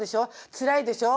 つらいでしょ？